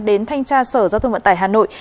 đến thanh tra sở giao thông vận tải hà nội